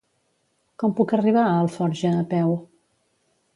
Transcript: Com puc arribar a Alforja a peu?